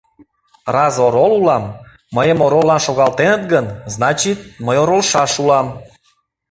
Раз орол улам, мыйым ороллан шогалтеныт гын, значит, мый оролышаш улам.